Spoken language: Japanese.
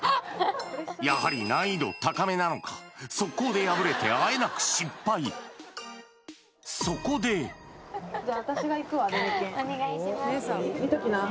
やはり難易度高めなのかソッコーで破れてあえなく失敗お願いします